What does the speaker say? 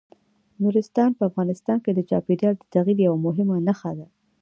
نورستان په افغانستان کې د چاپېریال د تغیر یوه مهمه نښه ده.